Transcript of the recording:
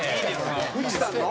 渕さんの？